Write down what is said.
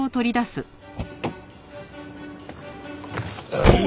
はい。